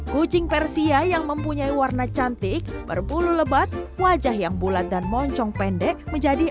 kucing persia yang mempunyai warna cantik berbulu lebat wajah yang bulat dan moncong pendek menjadi